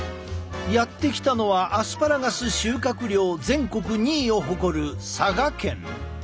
やって来たのはアスパラガス収穫量全国２位を誇る佐賀県。